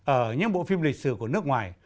ở những bộ phim lịch sử của nước ngoài